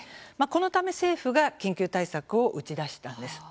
このため、政府が緊急対策を打ち出したんです。